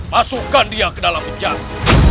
masukkan dia ke dalam penjara